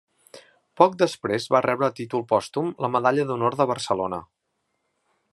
Poc després va rebre a títol pòstum la Medalla d'Honor de Barcelona.